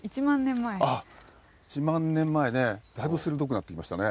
１万年前ねだいぶ鋭くなってきましたね。